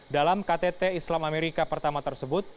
dalam ktt islam amerika pertama tersebut